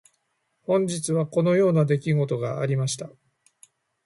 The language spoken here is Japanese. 本日はこのような出来事がありました。